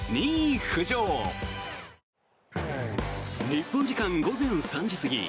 日本時間午前３時過ぎ